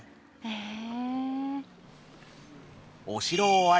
へえ。